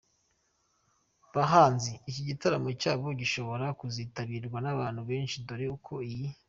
bahanzi, iki gitaramo cyabo gishobora kuzitabirwa nabantu benshi dore ko iyi.